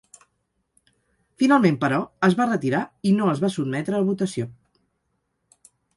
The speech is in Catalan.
Finalment, però, es va retirar i no es va sotmetre a votació.